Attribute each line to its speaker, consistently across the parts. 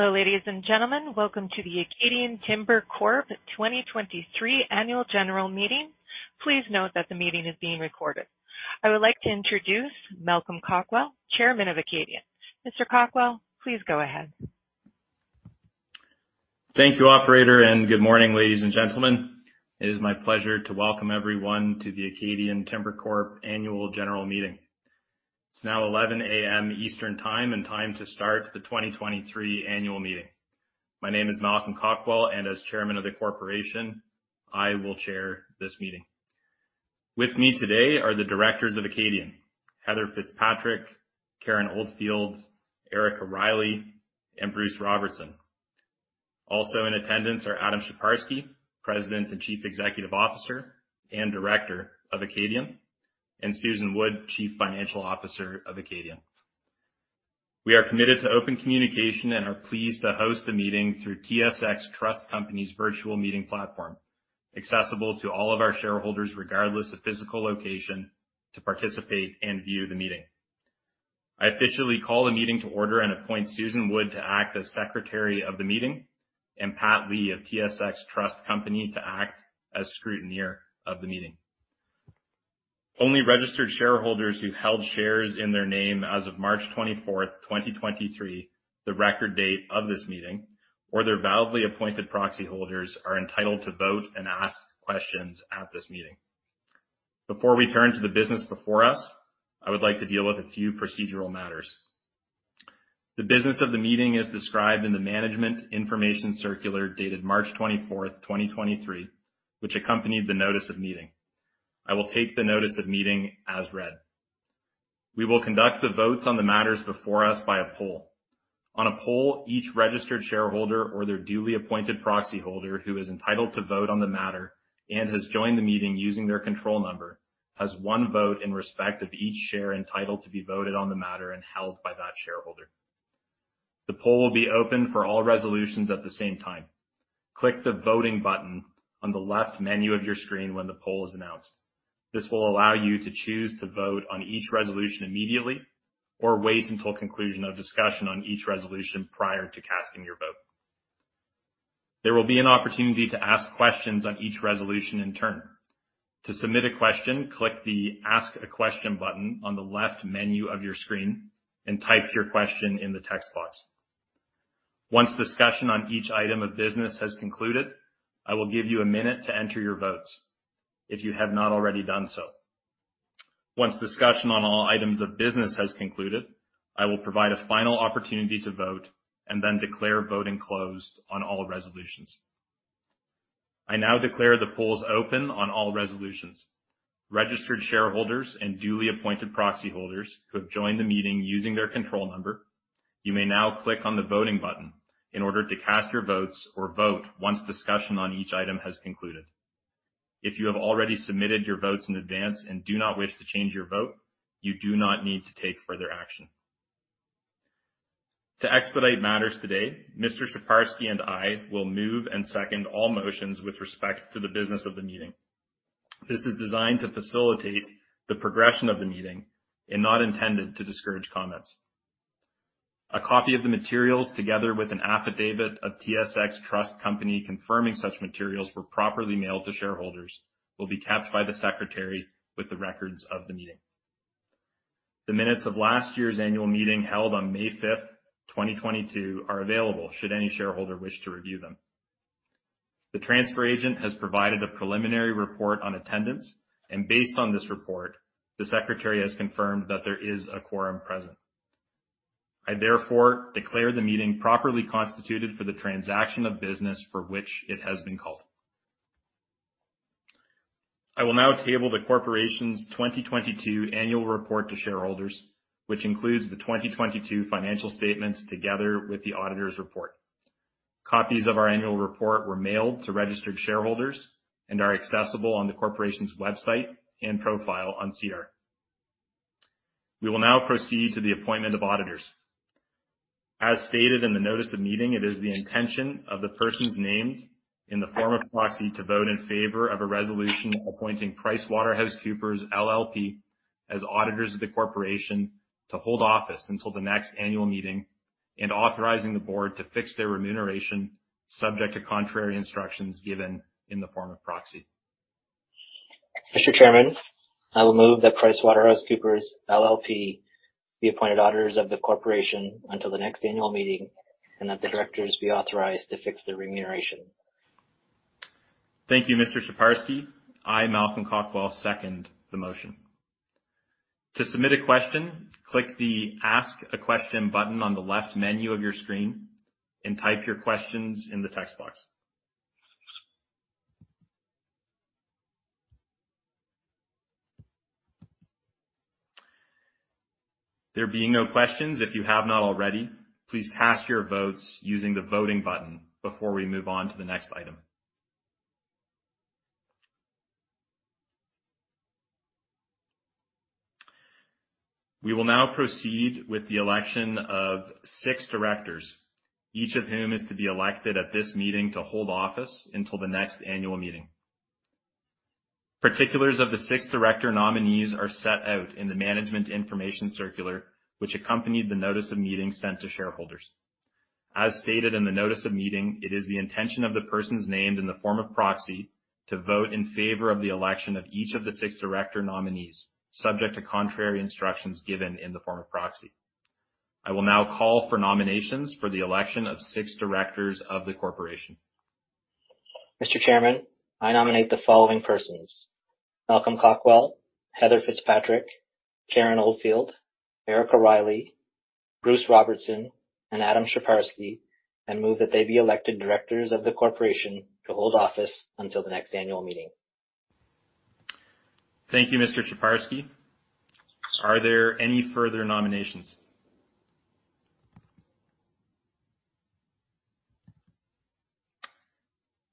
Speaker 1: Hello, ladies and gentlemen. Welcome to the Acadian Timber Corp 2023 annual general meeting. Please note that the meeting is being recorded. I would like to introduce Malcolm Cockwell, chairman of Acadian. Mr. Cockwell, please go ahead.
Speaker 2: Thank you, operator. Good morning, ladies and gentlemen. It is my pleasure to welcome everyone to the Acadian Timber Corp annual general meeting. It is now 11:00 A.M. Eastern Time, time to start the 2023 annual meeting. My name is Malcolm Cockwell. As chairman of the corporation, I will chair this meeting. With me today are the directors of Acadian, Heather Fitzpatrick, Karen Oldfield, Erika Reilly, and Bruce Robertson. Also in attendance are Adam Sheparski, President and Chief Executive Officer and Director of Acadian, and Susan Wood, Chief Financial Officer of Acadian. We are committed to open communication, are pleased to host the meeting through TSX Trust Company's virtual meeting platform, accessible to all of our shareholders, regardless of physical location, to participate and view the meeting. I officially call the meeting to order and appoint Susan Wood to act as secretary of the meeting and Pat Lee of TSX Trust Company to act as scrutineer of the meeting. Only registered shareholders who held shares in their name as of March 24, 2023, the record date of this meeting, or their validly appointed proxy holders, are entitled to vote and ask questions at this meeting. Before we turn to the business before us, I would like to deal with a few procedural matters. The business of the meeting is described in the management information circular dated March 24, 2023, which accompanied the notice of meeting. I will take the notice of meeting as read. We will conduct the votes on the matters before us by a poll. On a poll, each registered shareholder or their duly appointed proxy holder who is entitled to vote on the matter and has joined the meeting using their control number, has one vote in respect of each share entitled to be voted on the matter and held by that shareholder. The poll will be open for all resolutions at the same time. Click the Voting button on the left menu of your screen when the poll is announced. This will allow you to choose to vote on each resolution immediately or wait until conclusion of discussion on each resolution prior to casting your vote. There will be an opportunity to ask questions on each resolution in turn. To submit a question, click the Ask a Question button on the left menu of your screen and type your question in the text box. Once discussion on each item of business has concluded, I will give you a minute to enter your votes if you have not already done so. Once discussion on all items of business has concluded, I will provide a final opportunity to vote and then declare voting closed on all resolutions. I now declare the polls open on all resolutions. Registered shareholders and duly appointed proxy holders who have joined the meeting using their control number, you may now click on the Voting button in order to cast your votes or vote once discussion on each item has concluded. If you have already submitted your votes in advance and do not wish to change your vote, you do not need to take further action. To expedite matters today, Mr. Sheparski and I will move and second all motions with respect to the business of the meeting. This is designed to facilitate the progression of the meeting and not intended to discourage comments. A copy of the materials, together with an affidavit of TSX Trust Company confirming such materials were properly mailed to shareholders, will be kept by the secretary with the records of the meeting. The minutes of last year's annual meeting held on May fifth, 2022, are available should any shareholder wish to review them. Based on this report, the secretary has confirmed that there is a quorum present. I therefore declare the meeting properly constituted for the transaction of business for which it has been called. I will now table the corporation's 2022 annual report to shareholders, which includes the 2022 financial statements, together with the auditor's report. Copies of our annual report were mailed to registered shareholders and are accessible on the corporation's website and profile on SEDAR. We will now proceed to the appointment of auditors. As stated in the notice of meeting, it is the intention of the persons named in the form of proxy to vote in favor of a resolution appointing PricewaterhouseCoopers LLP as auditors of the corporation to hold office until the next annual meeting and authorizing the board to fix their remuneration subject to contrary instructions given in the form of proxy.
Speaker 3: Mr. Chairman, I will move that PricewaterhouseCoopers LLP be appointed auditors of the corporation until the next annual meeting, and that the directors be authorized to fix their remuneration.
Speaker 2: Thank you, Mr. Sheparski. I, Malcolm Cockwell, second the motion. To submit a question, click the Ask a Question button on the left menu of your screen and type your questions in the text box. There being no questions, if you have not already, please cast your votes using the Voting button before we move on to the next item. We will now proceed with the election of six directors, each of whom is to be elected at this meeting to hold office until the next annual meeting. Particulars of the six director nominees are set out in the management information circular, which accompanied the notice of meeting sent to shareholders. As stated in the notice of meeting, it is the intention of the persons named in the form of proxy to vote in favor of the election of each of the six director nominees, subject to contrary instructions given in the form of proxy. I will now call for nominations for the election of six directors of the corporation.
Speaker 3: Mr. Chairman, I nominate the following persons: Malcolm Cockwell, Heather Fitzpatrick, Karen Oldfield, Erika Reilly, Bruce Robertson, and Adam Sheparski, and move that they be elected directors of the corporation to hold office until the next annual meeting.
Speaker 2: Thank you, Mr. Sheparski. Are there any further nominations?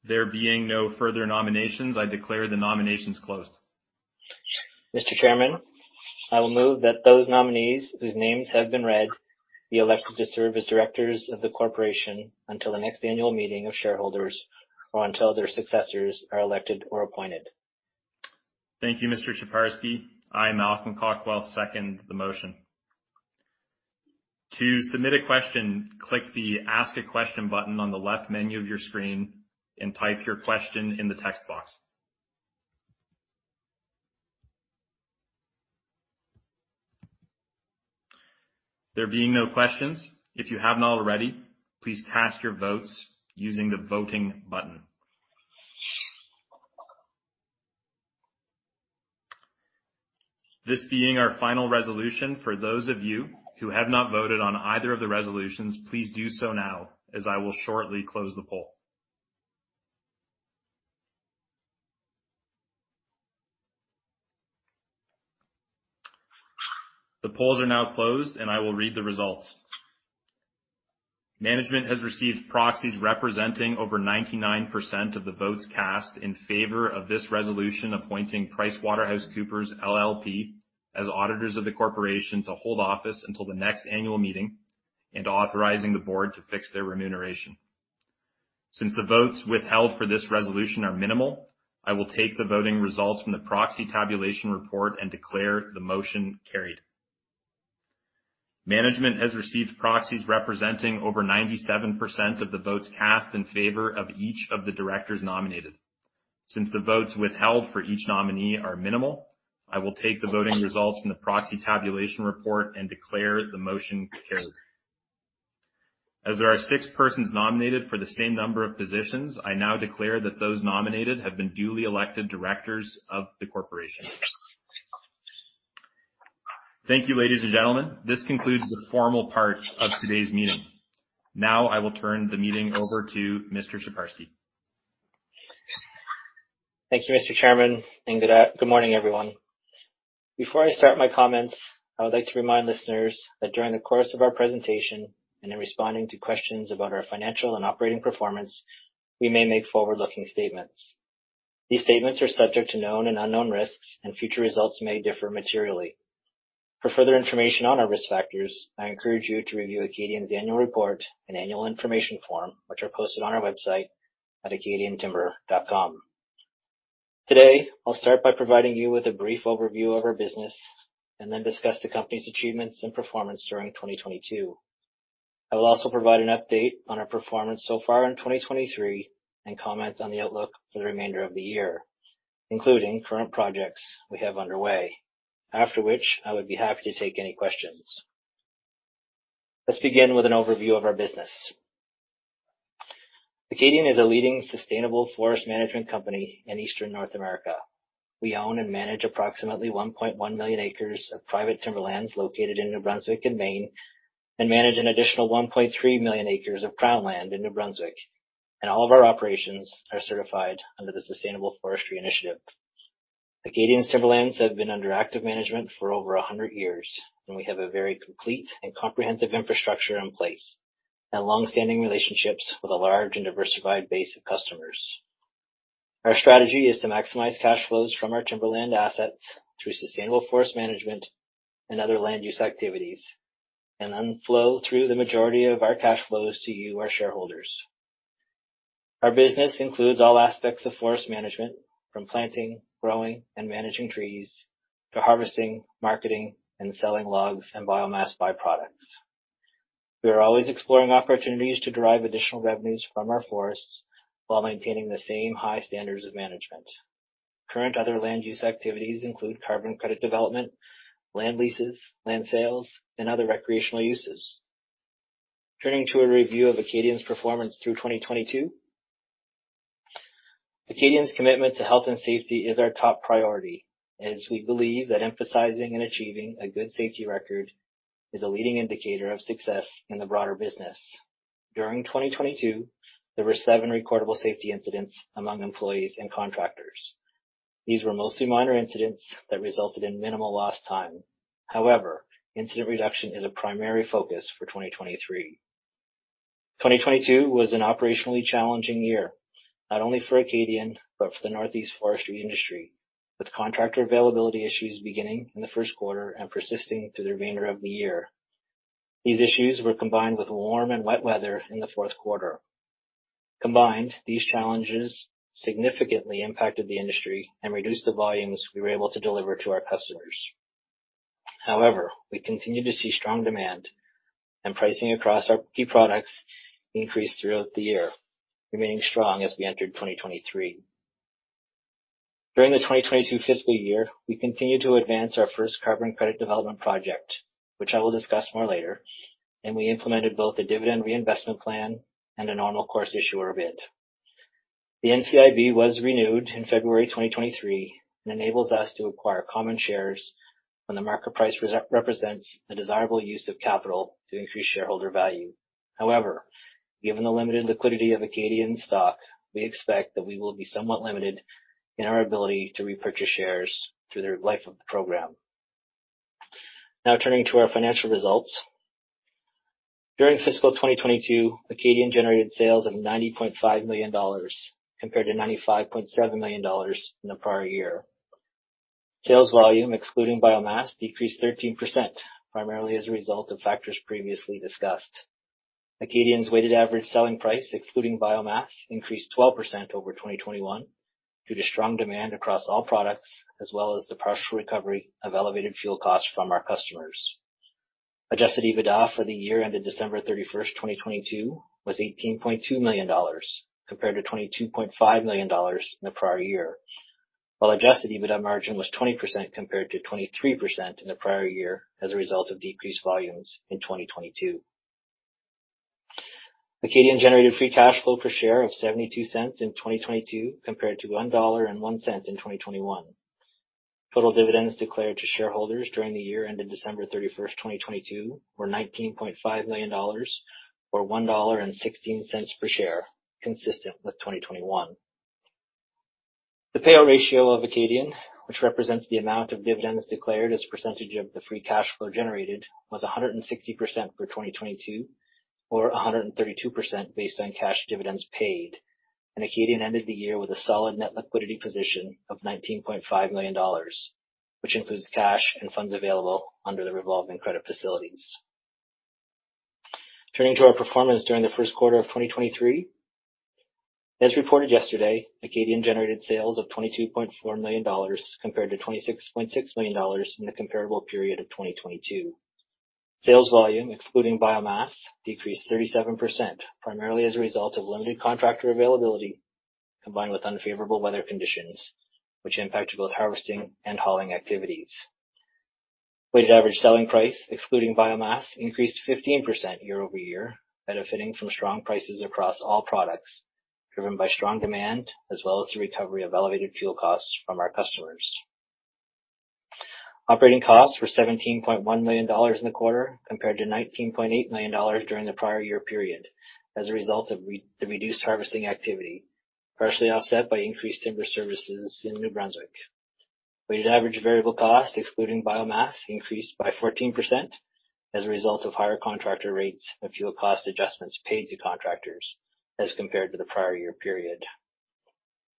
Speaker 2: There being no further nominations, I declare the nominations closed.
Speaker 3: Mr. Chairman, I will move that those nominees whose names have been read be elected to serve as directors of the corporation until the next annual meeting of shareholders or until their successors are elected or appointed.
Speaker 2: Thank you, Mr. Sheparski. I, Malcolm Cockwell, second the motion. To submit a question, click the Ask a Question button on the left menu of your screen and type your question in the text box. There being no questions, if you have not already, please cast your votes using the voting button. This being our final resolution, for those of you who have not voted on either of the resolutions, please do so now as I will shortly close the poll. The polls are now closed, and I will read the results. Management has received proxies representing over 99% of the votes cast in favor of this resolution, appointing PricewaterhouseCoopers LLP as auditors of the corporation to hold office until the next annual meeting and authorizing the board to fix their remuneration. Since the votes withheld for this resolution are minimal, I will take the voting results from the proxy tabulation report and declare the motion carried. Management has received proxies representing over 97% of the votes cast in favor of each of the directors nominated. Since the votes withheld for each nominee are minimal, I will take the voting results from the proxy tabulation report and declare the motion carried. As there are six persons nominated for the same number of positions, I now declare that those nominated have been duly elected directors of the corporation. Thank you, ladies and gentlemen. This concludes the formal part of today's meeting. Now I will turn the meeting over to Mr. Sheparski.
Speaker 3: Thank you, Mr. Chairman, and good morning, everyone. Before I start my comments, I would like to remind listeners that during the course of our presentation and in responding to questions about our financial and operating performance, we may make forward-looking statements. These statements are subject to known and unknown risks, and future results may differ materially. For further information on our risk factors, I encourage you to review Acadian's annual report and annual information form, which are posted on our website at acadiantimber.com. Today, I'll start by providing you with a brief overview of our business and then discuss the company's achievements and performance during 2022. I will also provide an update on our performance so far in 2023 and comments on the outlook for the remainder of the year, including current projects we have underway, after which I would be happy to take any questions. Let's begin with an overview of our business. Acadian is a leading sustainable forest management company in Eastern North America. We own and manage approximately 1.1 million acres of private timberlands located in New Brunswick and Maine, and manage an additional 1.3 million acres of crown land in New Brunswick. All of our operations are certified under the Sustainable Forestry Initiative. Acadian's timberlands have been under active management for over 100 years. We have a very complete and comprehensive infrastructure in place and long-standing relationships with a large and diversified base of customers. Our strategy is to maximize cash flows from our timberland assets through sustainable forest management and other land use activities, and then flow through the majority of our cash flows to you, our shareholders. Our business includes all aspects of forest management, from planting, growing, and managing trees to harvesting, marketing, and selling logs and biomass byproducts. We are always exploring opportunities to derive additional revenues from our forests while maintaining the same high standards of management. Current other land use activities include carbon credit development, land leases, land sales, and other recreational uses. Turning to a review of Acadian's performance through 2022. Acadian's commitment to health and safety is our top priority, as we believe that emphasizing and achieving a good safety record is a leading indicator of success in the broader business. During 2022, there were seven recordable safety incidents among employees and contractors. These were mostly minor incidents that resulted in minimal lost time. Incident reduction is a primary focus for 2023. 2022 was an operationally challenging year, not only for Acadian but for the Northeast forestry industry, with contractor availability issues beginning in the first quarter and persisting through the remainder of the year. These issues were combined with warm and wet weather in the fourth quarter. Combined, these challenges significantly impacted the industry and reduced the volumes we were able to deliver to our customers. We continue to see strong demand and pricing across our key products increased throughout the year, remaining strong as we entered 2023. During the 2022 fiscal year, we continued to advance our first carbon credit development project, which I will discuss more later, and we implemented both a Dividend Reinvestment Plan and a Normal Course Issuer Bid. The NCIB was renewed in February 2023 and enables us to acquire common shares when the market price represents a desirable use of capital to increase shareholder value. Given the limited liquidity of Acadian stock, we expect that we will be somewhat limited in our ability to repurchase shares through the life of the program. Turning to our financial results. During fiscal 2022, Acadian generated sales of $90.5 million compared to $95.7 million in the prior year. Sales volume, excluding biomass, decreased 13%, primarily as a result of factors previously discussed. Acadian's weighted average selling price, excluding biomass, increased 12% over 2021 due to strong demand across all products, as well as the partial recovery of elevated fuel costs from our customers. Adjusted EBITDA for the year ended December 31st, 2022 was $18.2 million, compared to $22.5 million in the prior year, while adjusted EBITDA margin was 20% compared to 23% in the prior year as a result of decreased volumes in 2022. Acadian generated Free Cash Flow per share of $0.72 in 2022, compared to $1.01 in 2021. Total dividends declared to shareholders during the year ended December 31st, 2022 were $19.5 million, or $1.16 per share, consistent with 2021. The Payout Ratio of Acadian, which represents the amount of dividends declared as a percentage of the Free Cash Flow generated, was 160% for 2022, or 132% based on cash dividends paid. Acadian ended the year with a solid net liquidity position of $19.5 million, which includes cash and funds available under the revolving credit facilities. Turning to our performance during the first quarter of 2023. As reported yesterday, Acadian generated sales of $22.4 million, compared to $26.6 million in the comparable period of 2022. Sales volume, excluding biomass, decreased 37%, primarily as a result of limited contractor availability, combined with unfavorable weather conditions, which impacted both harvesting and hauling activities. Weighted average selling price, excluding biomass, increased 15% year-over-year, benefiting from strong prices across all products, driven by strong demand as well as the recovery of elevated fuel costs from our customers. Operating costs were $17.1 million in the quarter, compared to $19.8 million during the prior year period as a result of the reduced harvesting activity, partially offset by increased timber services in New Brunswick. Weighted average variable cost, excluding biomass, increased by 14% as a result of higher contractor rates and fuel cost adjustments paid to contractors as compared to the prior year period.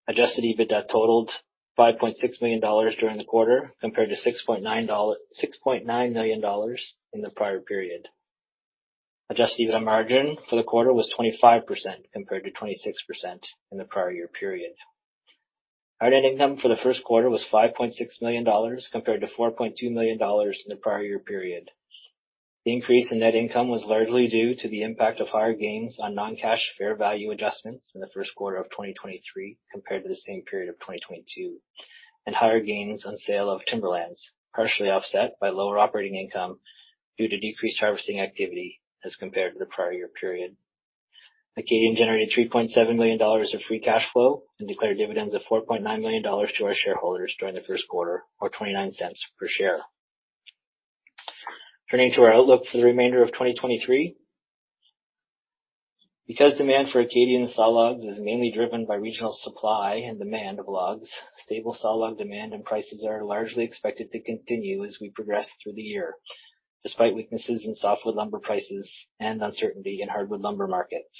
Speaker 3: Adjusted EBITDA totaled $5.6 million during the quarter, compared to $6.9 million in the prior period. Adjusted EBITDA margin for the quarter was 25%, compared to 26% in the prior year period. Net income for the first quarter was $5.6 million, compared to $4.2 million in the prior year period. The increase in net income was largely due to the impact of higher gains on non-cash fair value adjustments in the first quarter of 2023 compared to the same period of 2022, higher gains on sale of timberlands, partially offset by lower operating income due to decreased harvesting activity as compared to the prior year period. Acadian generated $3.7 million of Free Cash Flow and declared dividends of $4.9 million to our shareholders during the first quarter, or $0.29 per share. Turning to our outlook for the remainder of 2023. Demand for Acadian sawlogs is mainly driven by regional supply and demand of logs, stable sawlog demand and prices are largely expected to continue as we progress through the year, despite weaknesses in softwood lumber prices and uncertainty in hardwood lumber markets.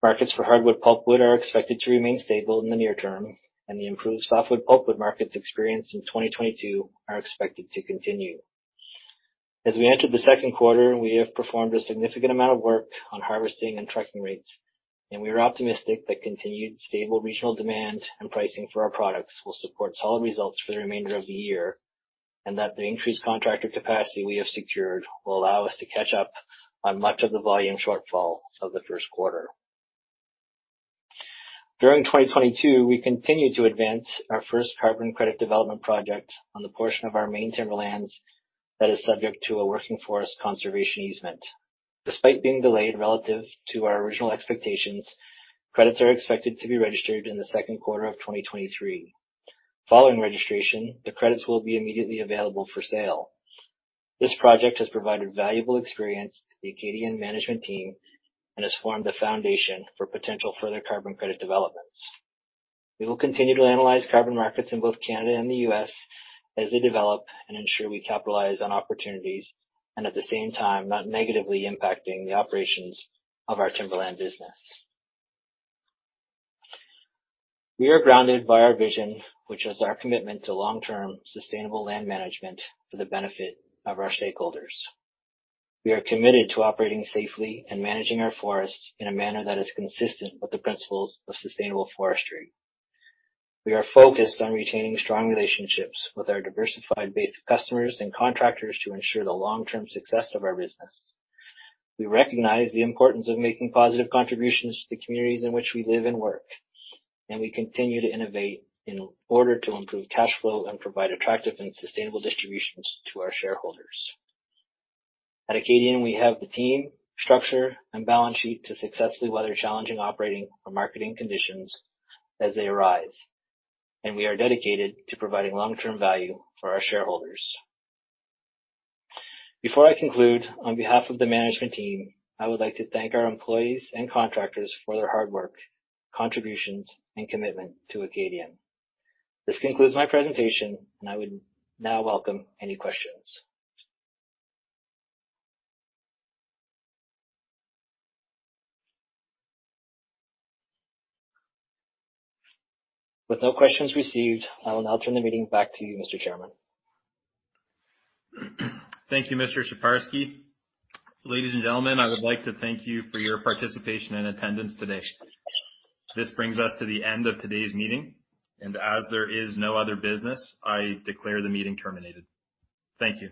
Speaker 3: Markets for hardwood pulpwood are expected to remain stable in the near term, and the improved softwood pulpwood markets experienced in 2022 are expected to continue. As we enter the 2Q, we have performed a significant amount of work on harvesting and trucking rates, and we are optimistic that continued stable regional demand and pricing for our products will support solid results for the remainder of the year, and that the increased contractor capacity we have secured will allow us to catch up on much of the volume shortfall of the 1Q. During 2022, we continued to advance our first carbon credit development project on the portion of our Maine Timberlands that is subject to a working forest conservation easement. Despite being delayed relative to our original expectations, credits are expected to be registered in the 2Q of 2023. Following registration, the credits will be immediately available for sale. This project has provided valuable experience to the Acadian management team and has formed the foundation for potential further carbon credit developments. We will continue to analyze carbon markets in both Canada and the U.S. as they develop and ensure we capitalize on opportunities, and at the same time, not negatively impacting the operations of our timberland business. We are grounded by our vision, which is our commitment to long-term sustainable land management for the benefit of our stakeholders. We are committed to operating safely and managing our forests in a manner that is consistent with the principles of sustainable forestry. We are focused on retaining strong relationships with our diversified base of customers and contractors to ensure the long-term success of our business. We recognize the importance of making positive contributions to the communities in which we live and work. We continue to innovate in order to improve cash flow and provide attractive and sustainable distributions to our shareholders. At Acadian, we have the team, structure, and balance sheet to successfully weather challenging operating or marketing conditions as they arise. We are dedicated to providing long-term value for our shareholders. Before I conclude, on behalf of the management team, I would like to thank our employees and contractors for their hard work, contributions, and commitment to Acadian. This concludes my presentation. I would now welcome any questions. With no questions received, I will now turn the meeting back to you, Mr. Chairman.
Speaker 2: Thank you, Mr. Sheparski. Ladies and gentlemen, I would like to thank you for your participation and attendance today. This brings us to the end of today's meeting, and as there is no other business, I declare the meeting terminated. Thank you.